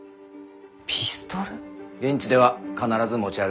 現地では必ず持ち歩くように。